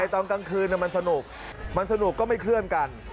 ตอนกลางคืนมันสนุกมันสนุกก็ไม่เคลื่อนกัน